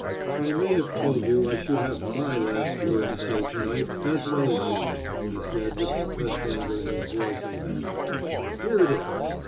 "I may have told you I should have my last word to say to night, as well as you!" he said with suppressed anger in his voice and manner: "Here it is.